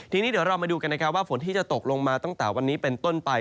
ทีนี้เดี๋ยวเรามาดูกันนะครับว่าฝนที่จะตกลงมาตั้งแต่วันนี้เป็นต้นไป